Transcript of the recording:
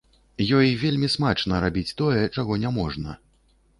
Ёй вельмі смачна рабіць тое, чаго няможна.